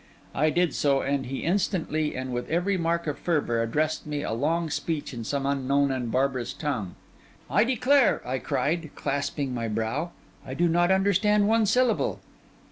I did so, and he instantly, and with every mark of fervour, addressed me a long speech in some unknown and barbarous tongue. 'I declare,' I cried, clasping my brow, 'I do not understand one syllable.